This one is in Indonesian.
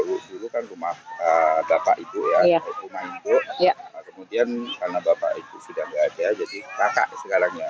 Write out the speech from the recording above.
rusul kan rumah bapak ibu ya ya kemudian karena bapak itu sudah enggak jadi kakak sekarang ya